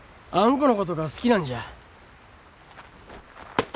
このことが好きなんじゃ。